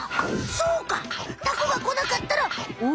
そうかタコがこなかったらおお。